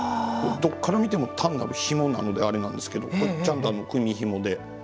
どっから見ても単なるひもなのであれなんですけどこれちゃんと組みひもで。